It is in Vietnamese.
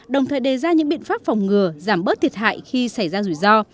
đồng thời đề ra những biện pháp phòng ngừa giảm bớt thiệt hại khi xảy ra rủi ro